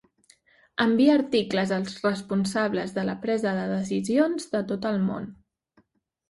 Envia articles als responsables de la presa de decisions de tot el món.